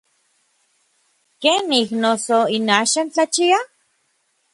¿Kenij, noso, n axan tlachia?